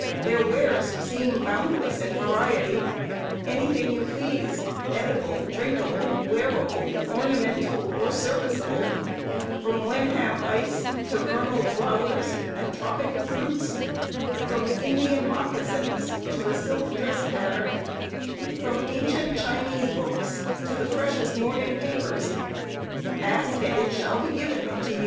Their wares seem boundless in variety. Any thing you please edible, drinkable, wearable, ornamental, or serviceable from Wenham ice to vernal flowers and tropical fruits from Indian moccasins to a silk dress pattern from ancient Chinese books to the freshest morning papers ask, and it shall be given unto you.